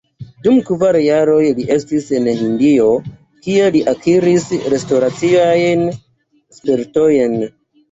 Dum kvar jaroj li estis en Hindio, kie li akiris restoraciajn spertojn.